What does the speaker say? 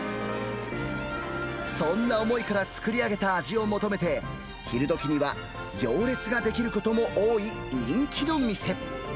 そんな思いから作り上げた味を求めて、昼時には行列が出来ることも多い人気の店。